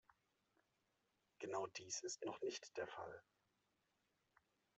Genau dies ist noch nicht der Fall!